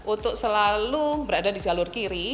untuk selalu berada di jalur kiri